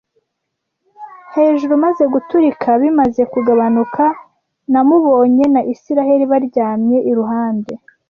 hejuru; maze guturika bimaze kugabanuka, namubonye na Isiraheli baryamye iruhande